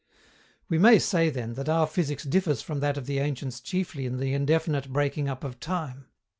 We may say, then, that our physics differs from that of the ancients chiefly in the indefinite breaking up of time.